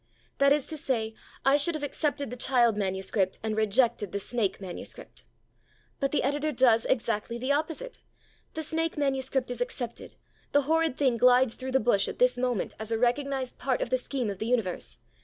That is to say, I should have accepted the child manuscript, and rejected the snake manuscript. But the editor does exactly the opposite. The snake manuscript is accepted; the horrid thing glides through the bush at this moment as a recognized part of the scheme of the universe.